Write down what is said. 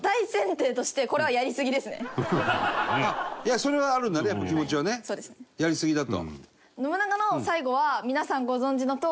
それはあるんだねやっぱ気持ちはねやりすぎだと。